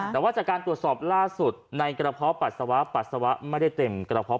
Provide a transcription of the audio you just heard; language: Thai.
แต่การตรวจสอบล่าสุดในกระเพาะปรัสสาวะปรัสสาวะไม่ได้เต็ม